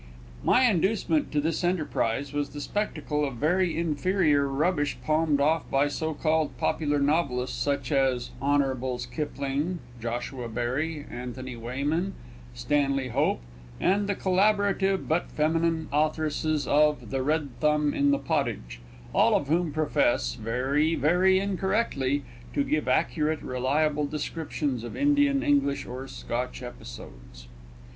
My inducement to this enterprise was the spectacle of very inferior rubbish palmed off by so called popular novelists such as Honbles Kipling, Joshua Barrie, Antony Weyman, Stanley Hope, and the collaborative but feminine authoresses of "The Red Thumb in the Pottage," all of whom profess (very, very incorrectly) to give accurate reliable descriptions of Indian, English or Scotch episodes.